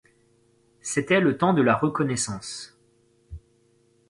C’était le temps de la reconnaissance.